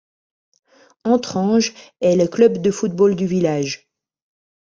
Entrange est le club de football du village.